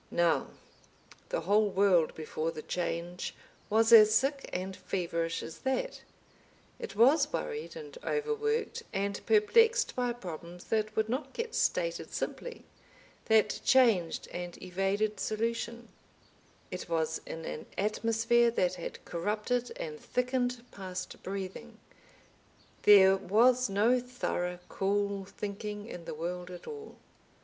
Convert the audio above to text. Now, the whole world before the Change was as sick and feverish as that, it was worried and overworked and perplexed by problems that would not get stated simply, that changed and evaded solution, it was in an atmosphere that had corrupted and thickened past breathing; there was no thorough cool thinking in the world at all.